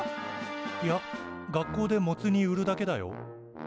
いや学校でモツ煮売るだけだよ。